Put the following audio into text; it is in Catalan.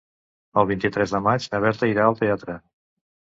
El vint-i-tres de maig na Berta irà al teatre.